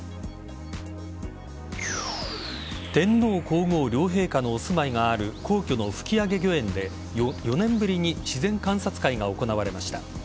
天皇皇后両陛下のお住まいがある皇居の吹上御苑で４年ぶりに自然観察会が行われました。